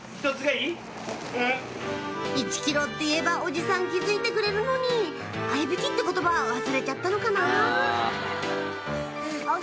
１ｋｇって言えばおじさん気付いてくれるのに合いびきって言葉忘れちゃったのかな？